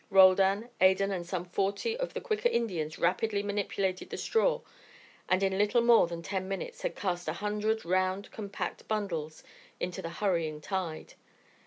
Roldan, Adan, and some forty of the quicker Indians rapidly manipulated the straw, and in little more than ten minutes had cast a hundred round compact bundles into the hurrying tide.